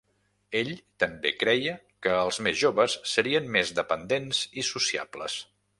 Ell també creia que els més joves serien més dependents i sociables.